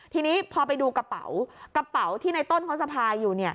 ทีนี้พอไปดูกระเป๋าที่ในต้นของสภายอยู่